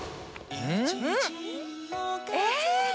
うん？えっ？